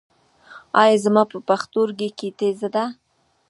ایا زما په پښتورګي کې تیږه ده؟